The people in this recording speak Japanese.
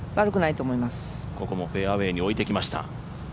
ここもフェアウエーにおいてきました。